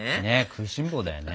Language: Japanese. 食いしんぼうだよね